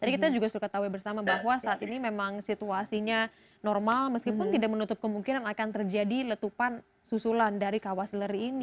tadi kita juga sudah ketahui bersama bahwa saat ini memang situasinya normal meskipun tidak menutup kemungkinan akan terjadi letupan susulan dari kawah sileri ini